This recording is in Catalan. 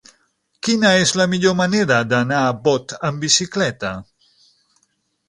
Quina és la millor manera d'anar a Bot amb bicicleta?